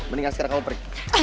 mendingan sekarang kamu pergi